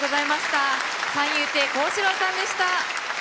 三遊亭好志朗さんでした。